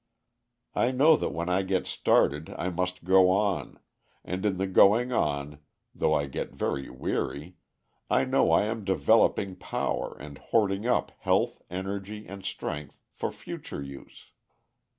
I know that when I get started I must go on, and in the going on, though I get very weary, I know I am developing power and hoarding up health, energy, and strength for future use.